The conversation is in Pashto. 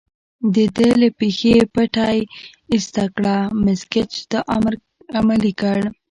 د ده له پښې پټۍ ایسته کړه، مس ګېج دا امر عملي کړ.